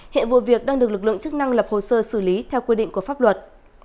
hiện vụ việc đang được lực lượng chức năng lập hồ sơ xử lý theo quy định của pháp luật